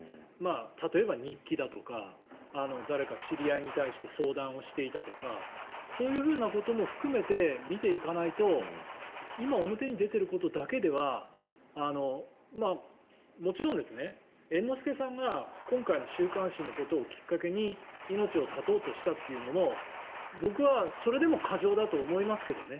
例えば、日記だとか誰か知り合いに対して相談をしていたとかそういうふうなことも含めて見ていかないと今、表に出ていることだけではもちろん、猿之助さんが今回の週刊誌のことをきっかけに命を絶とうとしたというのも僕はそれでも過剰だと思いますけどね。